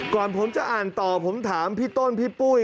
ก่อนผมจะอ่านต่อผมถามพี่ต้นพี่ปุ้ย